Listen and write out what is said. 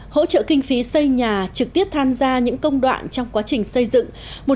hỗ trợ kinh phí xây nhà trực tiếp tham gia những công đoạn trong quá trình xây dựng